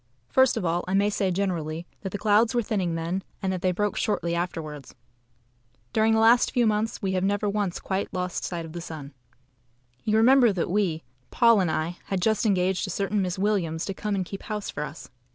First of all, I may say generally that the clouds were thinning then, and that they broke shortly afterwards. During the last few months we have never once quite lost sight of the sun. You remember that we (Paul and I) had just engaged a certain Miss Williams to come and keep house for us.